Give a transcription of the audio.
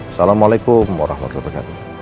assalamualaikum warahmatullahi wabarakatuh